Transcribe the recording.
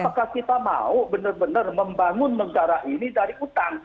apakah kita mau benar benar membangun negara ini dari utang